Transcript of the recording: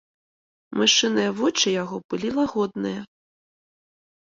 Мышыныя вочы яго былі лагодныя.